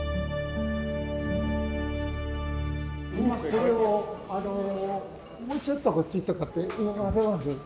これをあのもうちょっとこっちとかって動かせます？